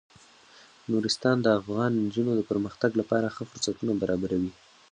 نورستان د افغان نجونو د پرمختګ لپاره ښه فرصتونه برابروي.